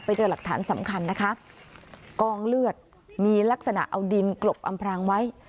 เจอหลักฐานสำคัญนะคะกองเลือดมีลักษณะเอาดินกลบอำพรางไว้